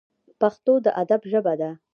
پښتو د ادب ژبه ده